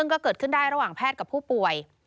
ก็เกิดขึ้นได้ระหว่างแพทย์กับผู้ป่วย